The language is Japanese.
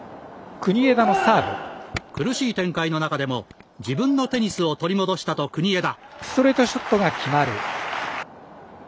苦しい展開の中でも自分のテニスを取り戻したと国枝。